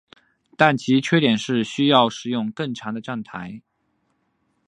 但其缺点是需要使用更长的站台。